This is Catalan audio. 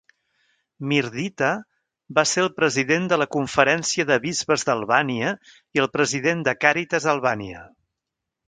Mirdita va ser el president de la Conferència de Bisbes d'Albània i el president de Caritas Albània.